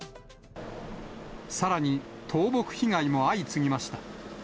さらに、倒木被害も相次ぎました。